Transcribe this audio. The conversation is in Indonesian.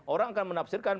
orang akan menafsirkan